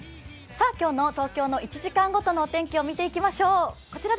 今日の東京の１時間ごとのお天気を見ていきましょう。